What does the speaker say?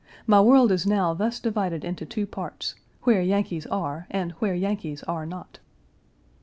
My world is now thus divided into two parts where Yankees are and where Yankees are not."